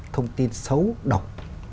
thông tin xấu độc